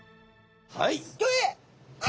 はい。